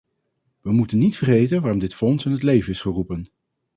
We moeten niet vergeten waarom dit fonds in het leven is geroepen.